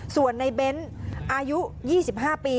ส่วนในเบ้นอายุ๒๕ปี